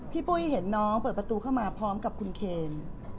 ปุ้ยเห็นน้องเปิดประตูเข้ามาพร้อมกับคุณเคน